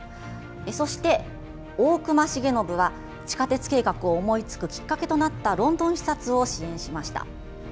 そして、大隈重信は地下鉄計画を思いつくきっかけとなったロンドン視察を支援しました。